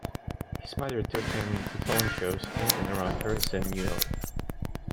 His mother took him to talent shows in and around Harrison, New York.